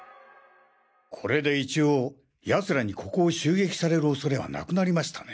これで一応奴らにここを襲撃される恐れはなくなりましたね。